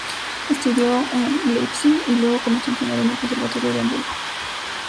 Estudió en Leipzig y luego comenzó a enseñar en el Conservatorio de Hamburgo.